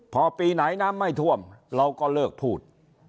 พอปีไหนน้ำไม่ท่วมเราก็เลิกพูด